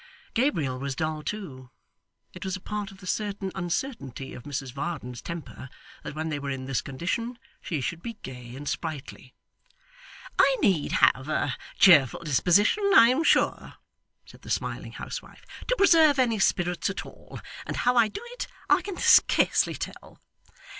Gabriel was dull too. It was a part of the certain uncertainty of Mrs Varden's temper, that when they were in this condition, she should be gay and sprightly. 'I need have a cheerful disposition, I am sure,' said the smiling housewife, 'to preserve any spirits at all; and how I do it I can scarcely tell.